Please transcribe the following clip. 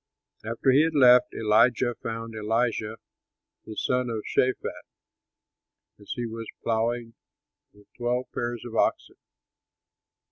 After he had left, Elijah found Elisha the son of Shaphat, as he was ploughing with twelve pairs of oxen.